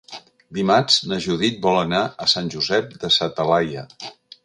Dimarts na Judit vol anar a Sant Josep de sa Talaia.